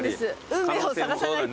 運命を探さないと。